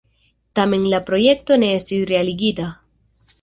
Tamen la projekto ne estis realigita.